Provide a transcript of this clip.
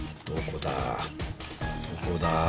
どこだ？